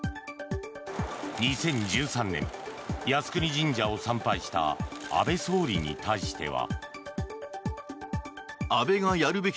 ２０１３年、靖国神社を参拝した安倍総理に対しては。